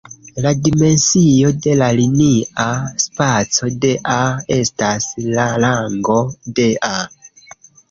La dimensio de la linia spaco de "A" estas la rango de "A".